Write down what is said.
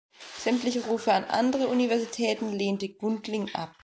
Sämtliche Rufe an andere Universitäten lehnte Gundling ab.